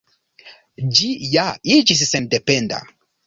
Ĝi ja iĝis sendependa.